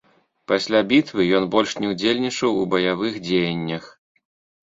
Пасля бітвы ён больш не ўдзельнічаў у баявых дзеяннях.